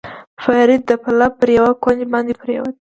فرید د پله پر یوه کونج باندې پروت و.